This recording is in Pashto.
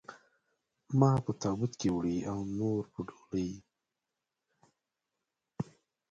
ما په تابوت کې وړي او نور په ډولۍ.